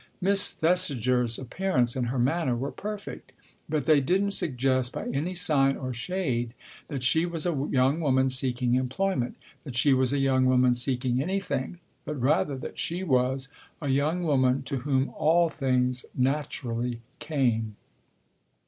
Miss Thesiger's appearance and her manner were perfect ; but they didn't suggest by any sign or shade that she was a young woman seeking employment, that she was a young woman seeking anything ; but rather that she was a young woman to whom all things naturally came.